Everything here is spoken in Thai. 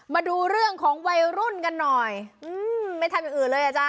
มาดูเรื่องของวัยรุ่นกันหน่อยอืมไม่ทำอย่างอื่นเลยอ่ะจ๊ะ